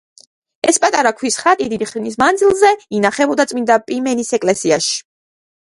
ეს პატარა ქვის ხატი დიდი ხნის მანძილზე ინახებოდა წმინდა პიმენის ეკლესიაში.